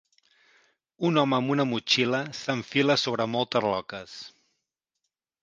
Un home amb una motxilla s'enfila sobre moltes roques.